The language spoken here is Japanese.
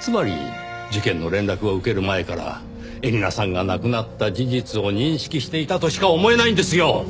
つまり事件の連絡を受ける前から絵里奈さんが亡くなった事実を認識していたとしか思えないんですよ！